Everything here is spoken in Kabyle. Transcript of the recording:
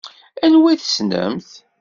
Anwa i tessnemt?